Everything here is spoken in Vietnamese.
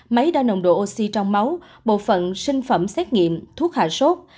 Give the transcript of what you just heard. máy đo nồng độ oxy trong máu bộ phận sinh phẩm xét nghiệm thuốc hạ sốt